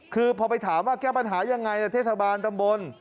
คือพอไปถามว่าแก้ปัญหายังไงในเทศบาลตำบล